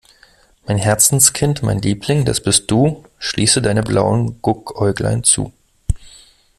Mein Herzenskind, mein Liebling, das bist du, schließe deine blauen Guckäuglein zu.